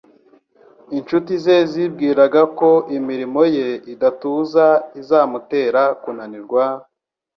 Inshuti ze zibwiraga ko imirimo ye idatuza izamutera kunanirwa;